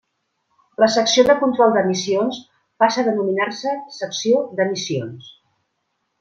La Secció de Control d'Emissions passa a denominar-se Secció d'Emissions.